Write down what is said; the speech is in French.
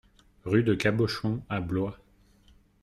Rue de Cabochon à Blois